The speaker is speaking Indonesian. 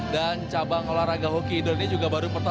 dan cabang olahraga hoki indoor ini juga baru pertama